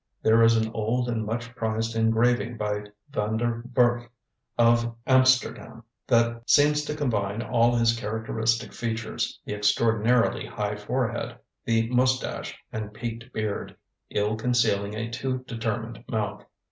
There is an old and much prized engraving by Vander Werff of Amsterdam that seems to combine all his characteristic features the extraordinarily high forehead, the moustache and peaked beard, ill concealing a too determined mouth.